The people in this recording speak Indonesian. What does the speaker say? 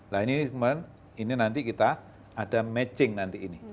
nah ini nanti kita ada matching nanti ini